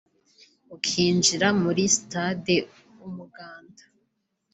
ukinjira muri sitade Umuganda